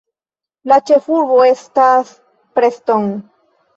La ĉefurbo estas Preston.